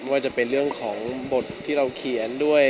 ว่าจะเป็นเรื่องของบทที่เราเขียนด้วย